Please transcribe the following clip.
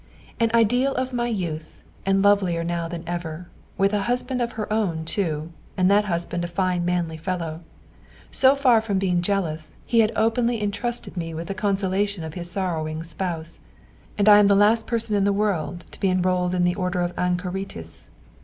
An ideal of my youth, and lovelier now than ever, with a husband of her own too, and that husband a fine manly fellow. So far from being jealous, he had openly entrusted me with the consolation of his sorrowing spouse. And I am the last person in the world to be enrolled in the Order of Anchorites.